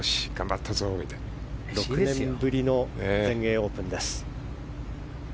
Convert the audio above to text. ６年ぶりの全英オープン。